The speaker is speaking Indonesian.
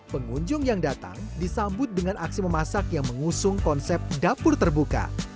pengunjung yang datang disambut dengan aksi memasak yang mengusung konsep dapur terbuka